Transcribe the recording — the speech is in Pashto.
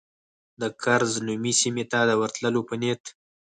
د کرز نومي سیمې ته د ورتلو په نیت.